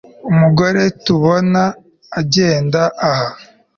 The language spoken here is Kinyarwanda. Umugore tubona agenda aha